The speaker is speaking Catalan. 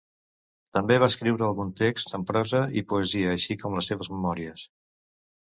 També va escriure alguns texts en prosa i poesia així com les seves memòries.